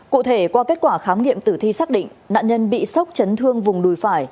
cụ thể qua kết quả khám nghiệm tử thi xác định nạn nhân bị sốc chấn thương vùng đùi phải